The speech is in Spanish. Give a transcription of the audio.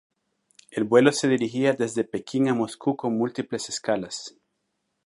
El vuelo se dirigía desde Pekín a Moscú con múltiples escalas.